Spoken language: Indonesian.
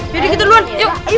jadi kita duluan yuk ayo